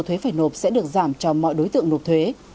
thuế phải nộp sẽ được giảm cho mọi đối tượng nộp thuế